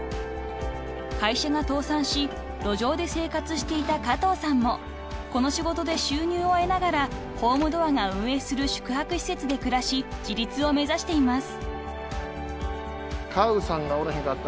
［会社が倒産し路上で生活していた加藤さんもこの仕事で収入を得ながらＨｏｍｅｄｏｏｒが運営する宿泊施設で暮らし自立を目指しています］